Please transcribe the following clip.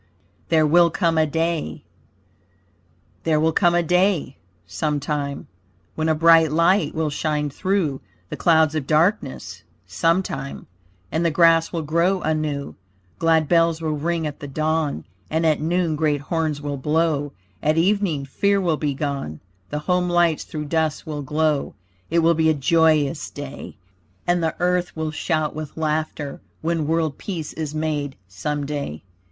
THERE WILL COME A DAY There will come a day, sometime, When a bright light will shine through The clouds of darkness, sometime. And the grass will grow anew; Glad bells will ring at the dawn; And at noon great horns will blow; At evening fear will be gone; The home lights through dusk will glow. It will be a joyous day! And the earth will shout with laughter, When world peace is made, some day.